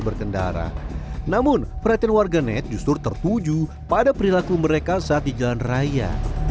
berkendara namun perhatian warga net justru tertuju pada perilaku mereka saat di jalan raya